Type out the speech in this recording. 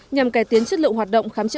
nhằm cải tiến chất lượng năm s